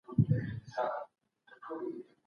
کمپيوټر ميراث خوندي کوي.